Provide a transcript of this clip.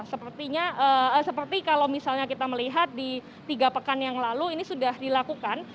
sepertinya seperti kalau misalnya kita melihat di tiga pekan yang lalu ini sudah dilakukan